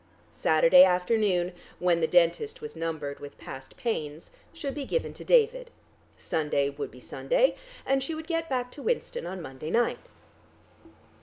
Saturday afternoon, when the dentist was numbered with past pains, should be given to David; Sunday would be Sunday, and she would get back to Winston on Monday night.